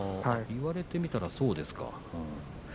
言われてみるとそうですか。